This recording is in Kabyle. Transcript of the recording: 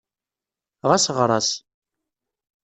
Ɣas ɣer-as.